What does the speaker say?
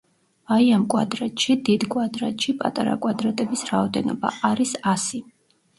აი, ამ კვადრატში, დიდ კვადრატში, პატარა კვადრატების რაოდენობა არის ასი.